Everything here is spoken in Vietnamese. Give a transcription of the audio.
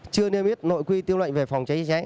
chưa niêm yết nội quy tiêu lệnh về phòng cháy cháy cháy